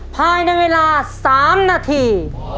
ภายในเวลา๓นาที